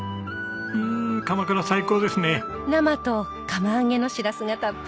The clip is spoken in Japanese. うん鎌倉最高ですね！